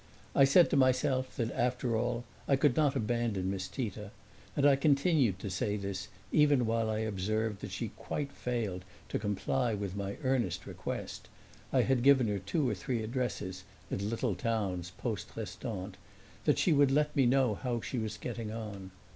I said to myself that after all I could not abandon Miss Tita, and I continued to say this even while I observed that she quite failed to comply with my earnest request (I had given her two or three addresses, at little towns, post restante) that she would let me know how she was getting on.